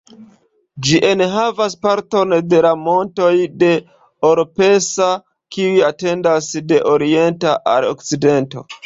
Ĝi enhavas parton de la montoj de Oropesa kiuj etendas de oriento al okcidento.